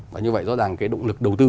và như vậy rõ ràng cái động lực đầu tư